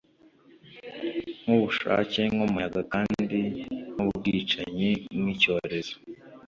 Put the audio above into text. Nkubushake nkumuyaga kandi nkubwicanyi nkicyorezo